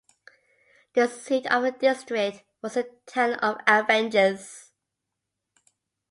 The seat of the district was the town of Avenches.